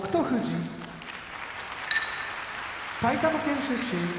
富士埼玉県出身